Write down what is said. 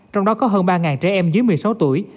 trong đó có hơn ba trẻ em dưới một mươi sáu tuổi